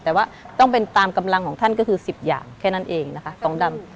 แต่ว่าต้องเป็นตามกำลังของท่านก็คือ๑๐อย่างแค่นั้นเองนะคะต้องดำ